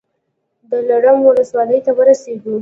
د دلارام ولسوالۍ ته ورسېدو.